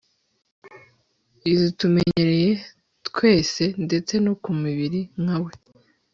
izitumenyereye twese, ndetse no ku mibiri nka we